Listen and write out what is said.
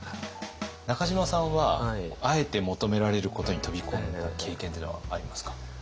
中島さんはあえて求められることに飛び込んだ経験っていうのはありますか？